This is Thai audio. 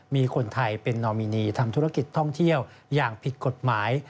มีคนไทยเป็นนอมินีทำธุรกิจท่องเที่ยวอย่างผิดกฎหมาย